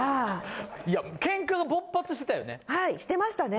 いやケンカが勃発してたよね。